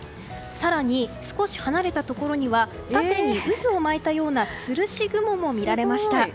更に、少し離れたところには縦に渦を巻いたようなつるし雲も見られました。